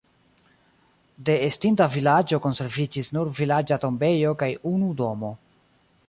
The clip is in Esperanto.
De estinta vilaĝo konserviĝis nur vilaĝa tombejo kaj unu domo.